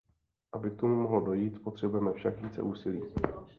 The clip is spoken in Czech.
Aby k tomu mohlo dojít, potřebujeme však více úsilí.